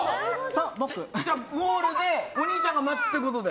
じゃあ、ゴールでお兄ちゃんが待つってことで。